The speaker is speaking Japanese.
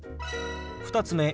２つ目。